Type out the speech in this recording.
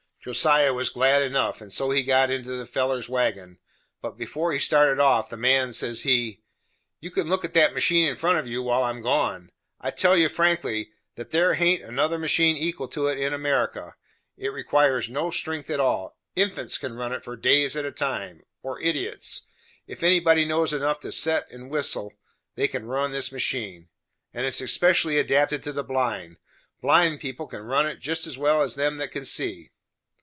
Josiah was glad enough, and so he got into the feller's wagon; but before he started off, the man, says he: "You can look at that machine in front of you while I am gone. I tell you frankly, that there haint another machine equal to it in America; it requires no strength at all; infants can run it for days at a time; or idiots; if anybody knows enough to set and whistle, they can run this machine; and it's especially adapted to the blind blind people can run it jest as well as them that can see.